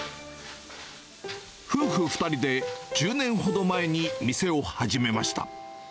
夫婦２人で１０年ほど前に店を始めました。